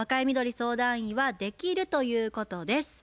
相談員は「できる」ということです。